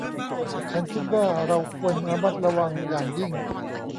ฉันคิดว่าเราควรระมัดระวังอย่างยิ่ง